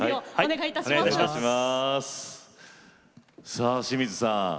さあ清水さん